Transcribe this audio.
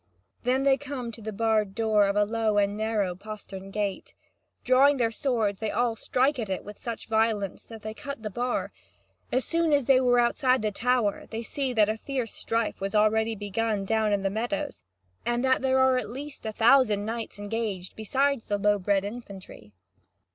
Then they come to the barred door of a low and narrow postern gate. Drawing their swords, they all strike it with such violence that they cut the bar. As soon as they were outside the tower, they see that a fierce strife was already begun down in the meadows, and that there are at least a thousand knights engaged, beside the low bred infantry.